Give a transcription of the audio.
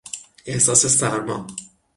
احساس سرما